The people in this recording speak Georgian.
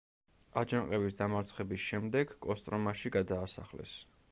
აჯანყების დამარცხების შემდეგ კოსტრომაში გადაასახლეს.